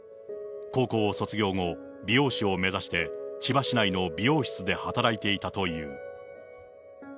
高校を卒業後、美容師を目指して、千葉市内の美容室で働いていたという。